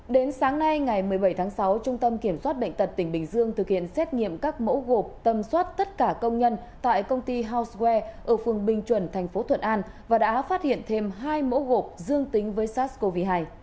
đến sáng nay ngày một mươi bảy tháng sáu trung tâm kiểm soát bệnh tật tỉnh bình dương thực hiện xét nghiệm các mẫu gộp tâm soát tất cả công nhân tại công ty housewware ở phường bình chuẩn thành phố thuận an và đã phát hiện thêm hai mẫu gộp dương tính với sars cov hai